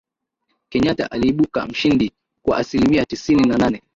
Kenyatta aliibuka mshindi kwa asilimia tisini na nane